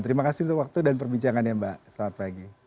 terima kasih untuk waktu dan perbincangannya mbak selamat pagi